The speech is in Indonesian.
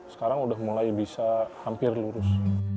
sekarang udah mulai bisa hampir lurus